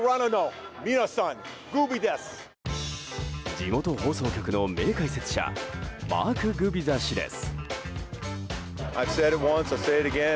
地元放送局の名解説者マーク・グビザ氏です。